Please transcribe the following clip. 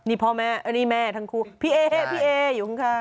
นี่พ่อแม่นี่แม่ทั้งคู่พี่เออยู่ข้าง